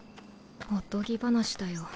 おとぎ話だよ。